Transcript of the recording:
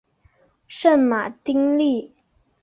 圣马丁利。